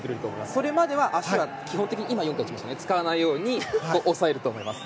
それまでは足は基本的には使わないように抑えると思います。